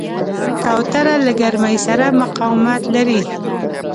کوتره له ګرمۍ سره مقاومت لري.